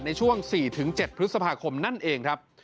ในช่วง๔๗พฤษภาคมนั่นเองครับ